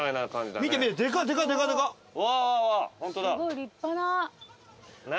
すごい立派な。